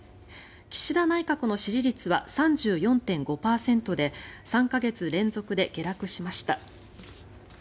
岸田内閣の支持率は３４．５％で３か月連続で下落しました。